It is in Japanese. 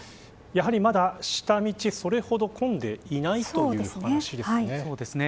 やはりまだ、下道はそれほど混んでいないという話ですね。